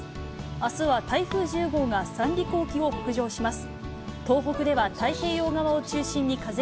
あすは台風１０号が三陸沖を北上します。